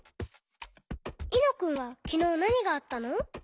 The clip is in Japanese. いのくんはきのうなにがあったの？